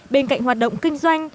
bên cạnh hoạt động kinh doanh